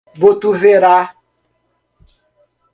Botuverá